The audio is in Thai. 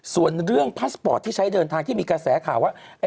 ส่วนเรื่องพาสปอร์ตที่ใช้เดินทางที่มีกระแสข่าวว่า